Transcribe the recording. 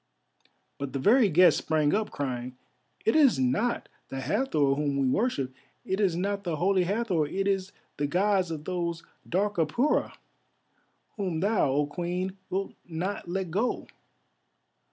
But the very guests sprang up crying, "It is not the Hathor whom we worship, it is not the Holy Hathor, it is the Gods of those dark Apura whom thou, O Queen, wilt not let go.